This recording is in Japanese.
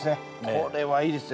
これはいいですよ。